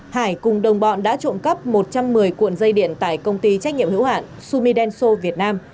hải cùng đồng bọn đã trộn cắp một trăm một mươi cuộn dây điện tại công ty trách nhiệm hữu hạn sumi denso việt nam